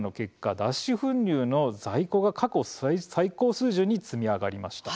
脱脂粉乳の在庫が過去最高水準に積み上がりました。